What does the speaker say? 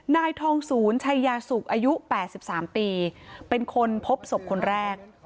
นายทองศูนย์ชัยยาสุกอายุ๘๓ปีเป็นคนพบศพคนแรก